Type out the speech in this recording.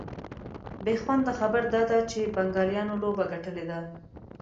بېخونده خبر دا دی چي بنګالیانو لوبه ګټلې ده